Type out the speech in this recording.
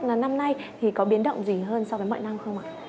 là năm nay thì có biến động gì hơn so với mọi năm không ạ